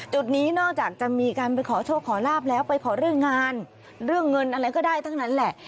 จุดนี้นอกจากจะมีการไปขอโชคขอลาบแล้วไปขอเรื่องงานเรื่องเงินอะไรก็ได้ทั้งนั้นแหละ